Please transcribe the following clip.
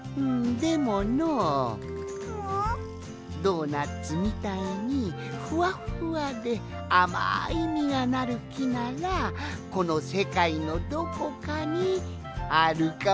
ドーナツみたいにふわっふわであまいみがなるきならこのせかいのどこかにあるかもしれんぞい。